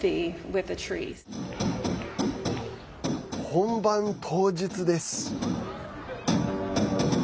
本番当日です。